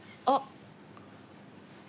あっ！